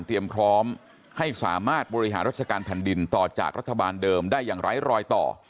พร้อมให้สามารถบริหารราชการแผ่นดินต่อจากรัฐบาลเดิมได้อย่างไร้รอยต่อ